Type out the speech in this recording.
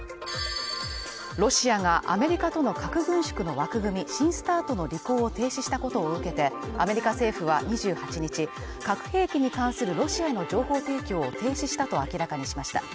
ロシアがアメリカとの核軍縮の枠組み新ＳＴＡＲＴの履行を停止したことを受けてアメリカ政府は２８日、核兵器に関するロシアへの情報提供を停止したと明らかにしました。